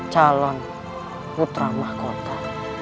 calon putra mahkota